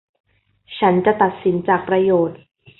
ฉันจะตัดสินจากประโยชน์